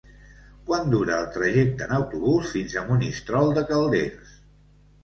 Quant dura el trajecte en autobús fins a Monistrol de Calders?